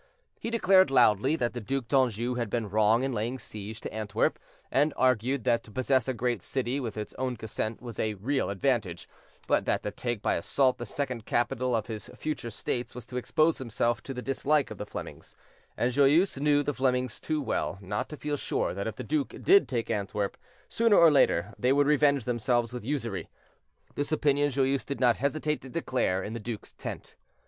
He declared loudly that the Duc d'Anjou had been wrong in laying siege to Antwerp, and argued that to possess a great city with its own consent was a real advantage; but that to take by assault the second capital of his future states was to expose himself to the dislike of the Flemings; and Joyeuse knew the Flemings too well not to feel sure that if the duke did take Antwerp, sooner or later they would revenge themselves with usury. This opinion Joyeuse did not hesitate to declare in the duke's tent.